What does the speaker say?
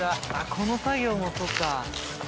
この作業もそうか。